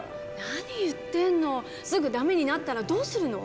何言ってるの⁉すぐダメになったらどうするの？